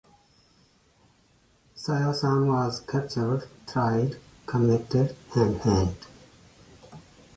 Saya San was captured, tried, convicted and hanged.